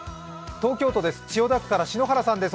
東京都です。